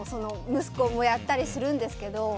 息子もやったりするんですけど。